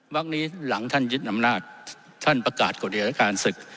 นี้หลังท่านยึดอำนาจท่านประกาศกฎิการศึก